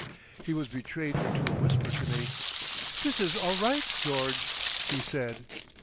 He was betrayed into a whisper to me, "This is all Right, George!" he said.